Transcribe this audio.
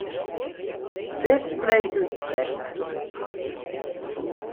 Display útsette.